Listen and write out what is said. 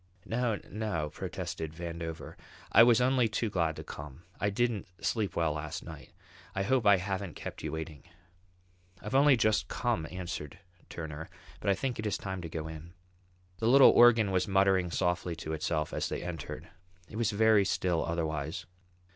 "No, no," protested Vandover. "I was only too glad to come. I didn't sleep well last night. I hope I haven't kept you waiting." "I've only just come," answered Turner. "But I think it is time to go in." The little organ was muttering softly to itself as they entered. It was very still otherwise.